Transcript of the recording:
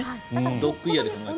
ドッグイヤーで考えたら。